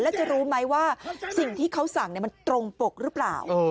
แล้วจะรู้ไหมว่าสิ่งที่เขาสั่งมันตรงปกหรือเปล่า